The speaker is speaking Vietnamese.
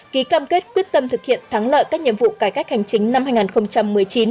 ký cam kết quyết tâm thực hiện thắng lợi các nhiệm vụ cải cách hành chính năm hai nghìn một mươi chín